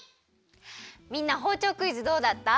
みんなほうちょうクイズどうだった？